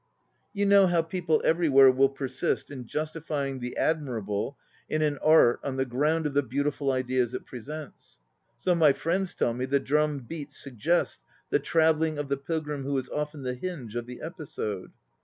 You know how people everywhere will persist in justifying the admirable in an art on the ground of the beautiful ideas it presents. So my friends tell me the drum beats suggest the travelling of the pilgrim who is often the hinge of the episode.